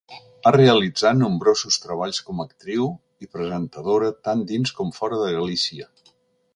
Ha realitzat nombrosos treballs com a actriu i presentadora tant dins com fora de Galícia.